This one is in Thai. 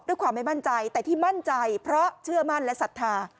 ไม่มั่นใจแต่ที่มั่นใจเพราะเชื่อมั่นและศรัทธา